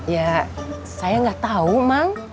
ya saya nggak tahu mang